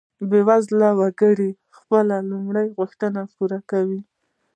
بیوزله وګړي خپلې لومړۍ غوښتنې پوره کوي.